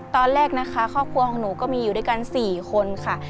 ตอนแรกนะคะครอบครัวของหนูก็มีอยู่ด้วยกัน๔คนค่ะ